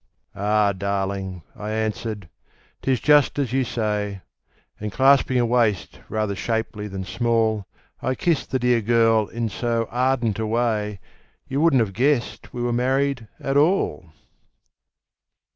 "Ah! darling," I answered, "'tis just as you say;" And clasping a waist rather shapely than small, I kissed the dear girl in so ardent a way You wouldn't have guessed we were married at all!